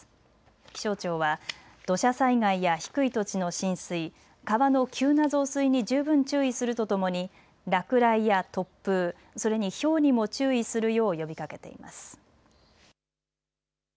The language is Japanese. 気象庁は土砂災害や低い土地の浸水、川の急な増水に十分注意するとともに落雷や突風、それにひょうにも注意するよう呼びかけています。